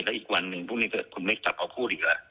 แล้วอีกวันหนึ่งพรุ่งนี้ศาสตร์คุณไม่จะขอพูดอีกละ